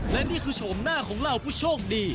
และนี่คือโฉมหน้าของเหล่าผู้โชคดี